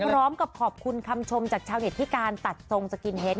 พร้อมกับขอบคุณคำชมจากชาวเน็ตที่การตัดทรงสกินเฮด